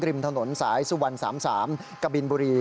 ริมถนนสายสุวรรณ๓๓กบินบุรี